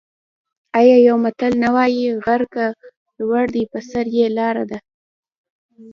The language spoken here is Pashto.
آیا یو متل نه وايي: غر که لوړ دی په سر یې لاره ده؟